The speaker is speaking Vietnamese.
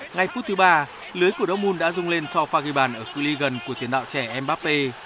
ngay phút thứ ba lưới của dortmund đã rung lên so pha ghi bàn ở cư ly gần của tiến đạo trẻ mbappé